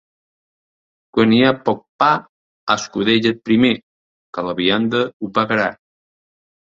Quan hi ha poc pa, escudella't primer, que la vianda ho pagarà.